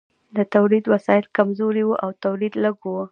د تولید وسایل کمزوري وو او تولید لږ و.